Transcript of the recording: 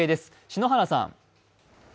篠原さん。